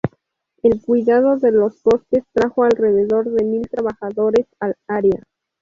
El cuidado de los bosques trajo alrededor de mil trabajadores al área.